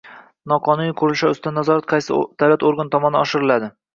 Noqonuniy qurilish ustidan nazorat qaysi davlat organi tomonidan oshiriladi?